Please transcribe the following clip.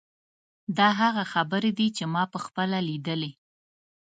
دا هغه خبرې دي چې ما په خپله لیدلې.